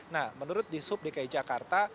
nah menurut dinas perhubungan dki jakarta